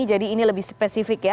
jadi ini lebih spesifik ya